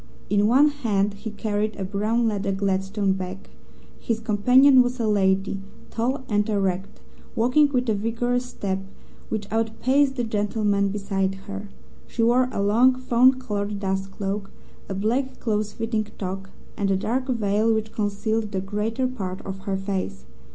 In one hand he carried a brown leather Gladstone bag. His companion was a lady, tall and erect, walking with a vigorous step which outpaced the gentleman beside her. She wore a long, fawn coloured dust cloak, a black, close fitting toque, and a dark veil which concealed the greater part of her face.